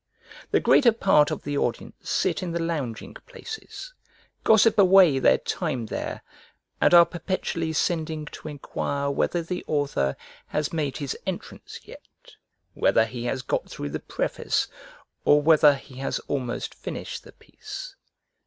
The greater part of the audience sit in the lounging places, gossip away their time there, and are perpetually sending to enquire whether the author has made his entrance yet, whether he has got through the preface, or whether he has almost finished the piece.